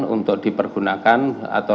untuk dipergunakan atau